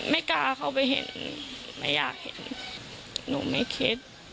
ไม่กล้าเข้าไปเห็นไม่อยากเห็นหนูไม่คิด